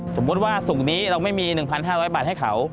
สมมุติว่าส่งนี้เราไม่มี๑๕๐๐บาทให้เขา